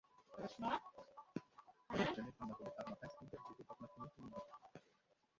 হঠাৎ গ্রেনেড হামলা হলে তাঁর মাথায় স্প্লিন্টার ঢুকে ঘটনাস্থলেই তিনি নিহত হন।